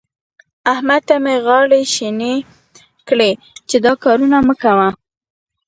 احمد ته مې غاړې شينې کړې چې دا کارونه مه کوه.